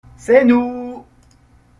C’est nous.